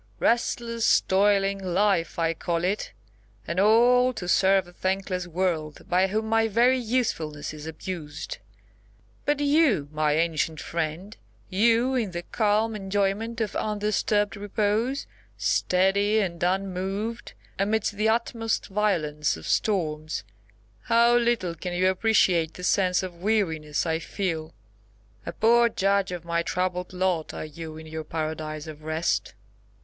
Restless, toiling life I call it, and all to serve a thankless world, by whom my very usefulness is abused. But you, my ancient friend, you, in the calm enjoyment of undisturbed repose, steady and unmoved amidst the utmost violence of storms, how little can you appreciate the sense of weariness I feel! A poor judge of my troubled lot are you in your paradise of rest!"